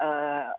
oleh pak widu ya